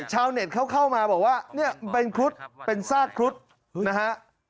ชาวเน็ตเขาเข้ามาบอกว่าเนี่ยเป็นครุฑเป็นซากครุฑนะฮะ